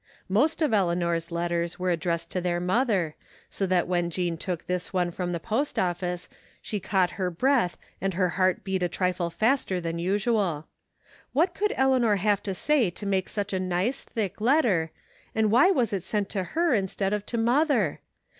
Most of Eleanor's letters were addressed to their mother, so that when Jean took this one from the post office she caught her breath and her heart beat a trifle faster than usual. What could Eleanor have to say to make such a nice, thick letter, and why was it sent to her instead of to mother?